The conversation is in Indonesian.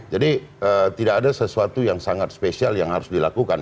jadi tidak ada sesuatu yang sangat spesial yang harus dilakukan